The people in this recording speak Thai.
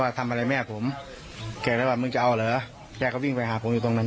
ทำอะไรแม่ผมแกเลยว่ามึงจะเอาเหรอแกก็วิ่งไปหาผมอยู่ตรงนั้น